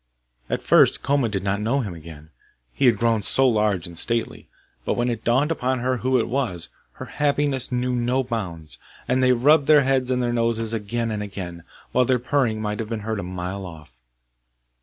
At first Koma did not know him again, he had grown so large and stately; but when it dawned upon her who it was, her happiness knew no bounds. And they rubbed their heads and their noses again and again, while their purring might have been heard a mile off.